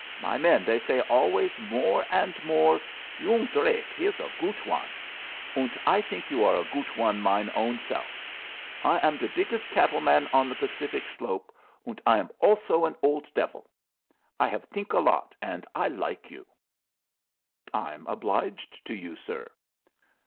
My men they say always more and more, 'Yoong Drake he is a goot one,' und I think you are a goot one mine own self. I am the biggest cattle man on the Pacific slope, und I am also an old devil. I have think a lot, und I like you." "I'm obliged to you, sir."